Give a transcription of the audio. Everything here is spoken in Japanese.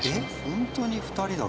ホントに２人だけ？